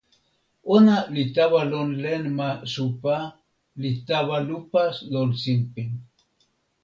ona li tawa lon len ma supa li tawa lupa lon sinpin.